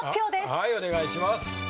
はいお願いします。